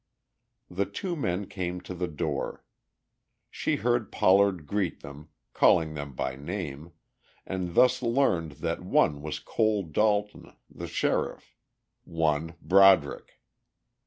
The two men came to the door. She heard Pollard greet them, calling them by name, and thus learned that one was Cole Dalton, the sheriff, one Broderick.